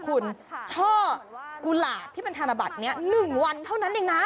คุณช่อกุหลาบที่เป็นธนบัตรนี้๑วันเท่านั้นเองนะ